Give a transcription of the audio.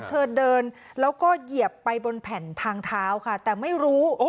เธอเดินแล้วก็เหยียบไปบนแผ่นทางเท้าค่ะแต่ไม่รู้